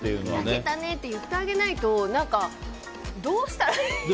焼けたねって言ってあげないとどうしたらいいんだって。